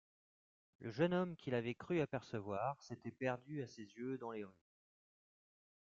Le jeune homme qu'il avait cru apercevoir s'était perdu à ses yeux dans les rues.